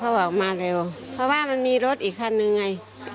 มาเร็วเขาบอกมาเร็วเพราะว่ามันมีรถอีกคันหนึ่งไง